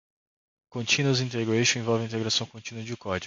Continuous Integration envolve integração contínua de código.